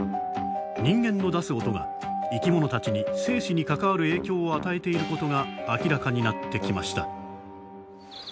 ニンゲンの出す音が生き物たちに生死に関わる影響を与えていることが明らかになってきました。